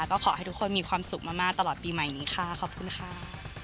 ก็ขอให้ทุกคนมีความสุขมากตลอดปีใหม่นี้ค่ะขอบคุณค่ะ